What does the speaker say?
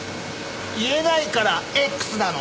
言えないから「Ｘ」なの。